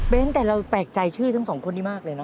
แต่เราแปลกใจชื่อทั้งสองคนนี้มากเลยนะ